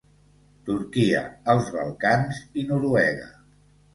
Turquia, els Balcans i Noruega.